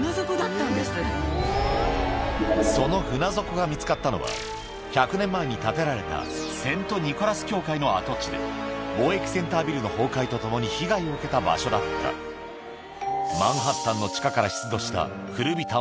その船底が見つかったのは１００年前に建てられたセント・ニコラス教会の跡地で貿易センタービルの崩壊とともに被害を受けた場所だった一体があったんです。